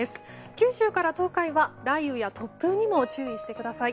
九州から東海は雷雨や突風にも注意してください。